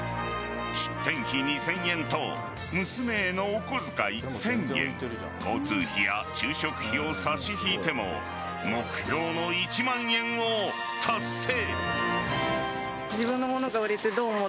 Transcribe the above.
出店費２０００円と娘へのお小遣い１０００円交通費や昼食費を差し引いても目標の１万円を達成。